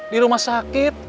di rumah sakit